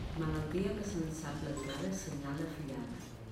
Malaltia que se'n sap la durada és senyal de fillada.